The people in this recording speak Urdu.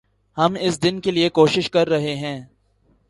ہم اس دن کے لئے کوشش کررہے ہیں